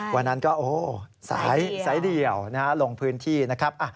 วันนั้นก็สายเดี่ยวลงพื้นที่นะครับ